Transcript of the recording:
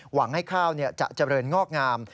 หวังให้ข้าวจะเจริญงอกงาม